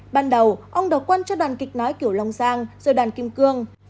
ban đầu ông đọc quan cho đoàn kịch nói kiểu long giang rồi đoàn kim cương